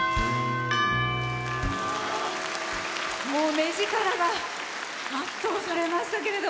目力が圧倒されましたけど。